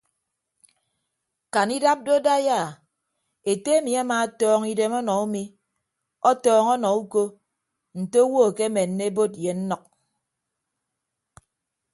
Kan idap do daiya ete emi amaatọọñ idem ọnọ umi ọtọọñ ọnọ uko nte owo akemenne ebot ye nnʌk.